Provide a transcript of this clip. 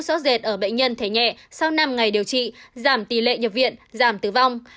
nước xót dệt ở bệnh nhân thể nhẹ sau năm ngày điều trị giảm tỷ lệ nhập viện giảm tử vong